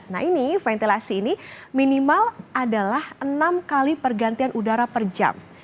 nah ini ventilasi ini minimal adalah enam kali pergantian udara per jam